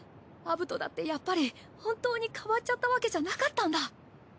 アブトだってやっぱり本当に変わっちゃったわけじゃなかったんだ。